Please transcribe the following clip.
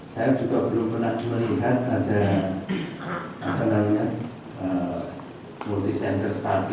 saya juga belum pernah melihat ada multisenter stabil gitu